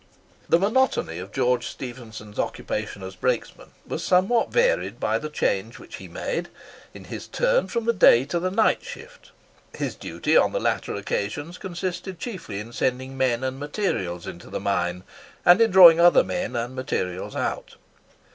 The monotony of George Stephenson's occupation as a brakesman was somewhat varied by the change which he made, in his turn, from the day to the night shift. His duty, on the latter occasions, consisted chiefly in sending men and materials into the mine, and in drawing other men and materials out.